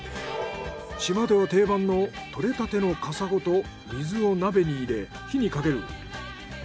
島では定番の獲れたてのカサゴと水を鍋に入れ火にかける。